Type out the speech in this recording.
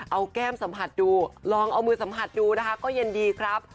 เอาแก้มสัมผัสดูลองเอามือสัมผัสดูนะคะก็เย็นดีครับ